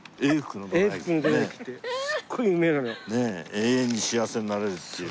永遠に幸せになれるっていう。